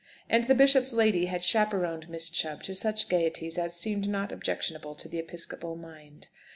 And the bishop's lady had "chaperoned" Miss Chubb to such gaieties as seemed not objectionable to the episcopal mind.